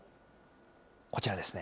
こちらですね。